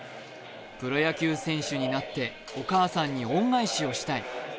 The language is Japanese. プロ野球選手になってお母さんに恩返しをしたい。